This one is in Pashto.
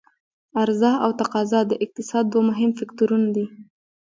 عرضا او تقاضا د اقتصاد دوه مهم فکتورونه دي.